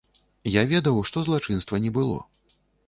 Я ведаў, што злачынства не было.